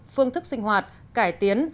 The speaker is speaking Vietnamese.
phương thức sinh hoạt cải tiến